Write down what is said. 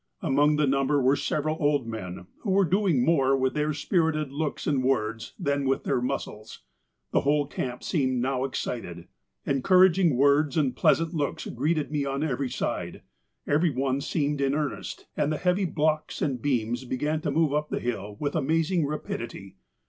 Among the number were several old men, who were doing more with their spirited looks and words than with their muscles. The whole camp seemed now excited. Encouraging words and pleasant looks greeted me on every side. Every one seemed in earnest, and the heavy blocks and beams began to move up the hill with amazing rapidity.